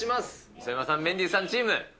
磯山さん、メンディーさんチーム。